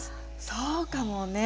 そうかもね。